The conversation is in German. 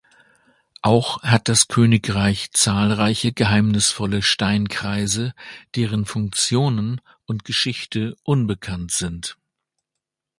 Auch hat das Königreich zahlreiche geheimnisvolle Steinkreise deren Funktionen und Geschichte unbekannt sind.